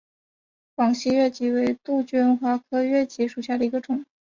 广西越桔为杜鹃花科越桔属下的一个种。